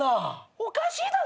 おかしいだろ！